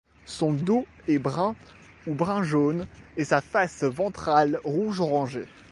Son dos est brun ou brun jaune et sa face ventrale rouge orangé.